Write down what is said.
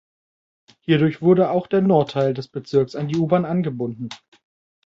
Hierdurch wurde auch der Nordteil des Bezirks an die U-Bahn angebunden.